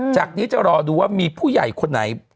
จากนี้จะรอดูว่ามีผู้ใหญ่คนไหน